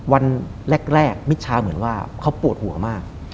วันแรกมิชชาเหมือนว่าเขาปวดหัวมาก